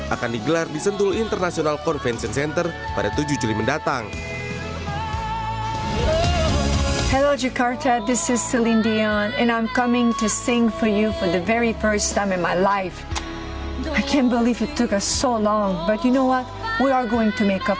akan digelar di sentul international convention center pada tujuh juli mendatang